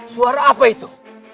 suara apa itu